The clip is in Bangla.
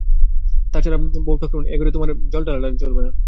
তা বলছি, বউঠাকরুন, এ ঘরে তোমার জল ঢালাঢালি চলবে না।